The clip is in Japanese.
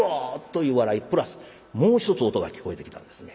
プラスもう一つ音が聞こえてきたんですね。